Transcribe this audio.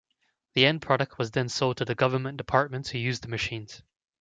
The end product was then sold to the government departments who used the machines.